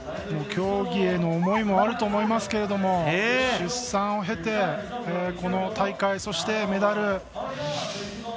競技への思いもあると思いますけれども出産を経てこの大会、そしてメダル。